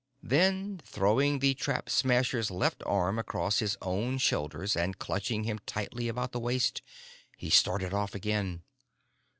Then, throwing the Trap Smasher's left arm across his own shoulders and clutching him tightly about the waist, he started off again.